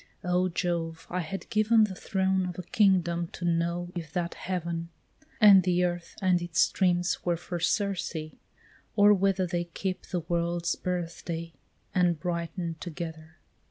O Jove, I had given The throne of a kingdom to know if that heaven, And the earth and its streams were of Circe, or whether They kept the world's birthday and brighten'd together!